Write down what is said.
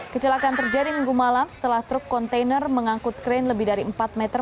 kecelakaan terjadi minggu malam setelah truk kontainer mengangkut krain lebih dari empat meter